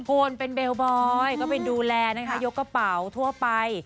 โอนเป็นเบลบอยก็เป็นดูแลนะคะยกกระเป๋าทั่วไป